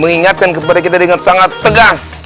mengingatkan kepada kita dengan sangat tegas